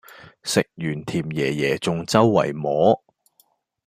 食完甜椰椰仲周圍摸